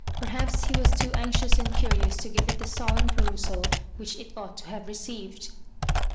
Perhaps h6 was too anxious and curioua to give it the solemn perusal which it ought to have received.